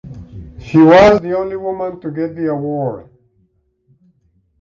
She was the only woman to get the award.